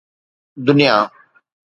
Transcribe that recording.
دنيا